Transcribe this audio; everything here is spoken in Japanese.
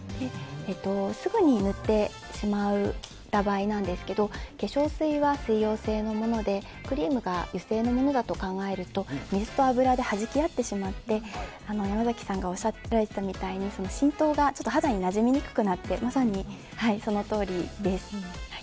すぐに塗ってしまった場合ですが化粧水は水溶性のものでクリームが油性のものだと考えると水と油ではじきあってしまって山崎さんがおっしゃられたみたいに浸透が、肌になじみにくくなってまさに、そのとおりです。